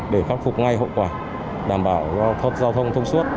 để khắc phục ngay hậu quả đảm bảo giao thông thông suốt